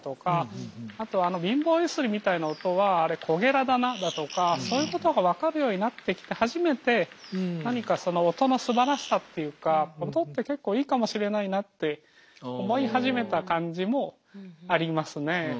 あとあの貧乏揺すりみたいな音はあれコゲラだなだとかそういうことが分かるようになってきて初めて何かその音のすばらしさっていうか音って結構いいかもしれないなって思い始めた感じもありますね。